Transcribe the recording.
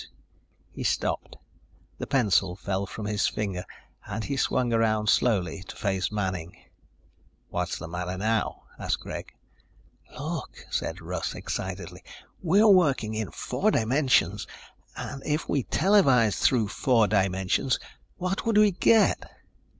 He stopped. The pencil fell from his finger and he swung around slowly to face Manning. "What's the matter now?" asked Greg. "Look," said Russ excitedly. "We're working in four dimensions. And if we televised through four dimensions, what would we get?"